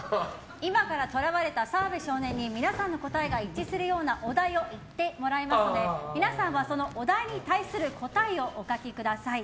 今から、とらわれた澤部少年が皆さんにお題を言ってもらいますので皆さんは、そのお題に対する答えをお書きください。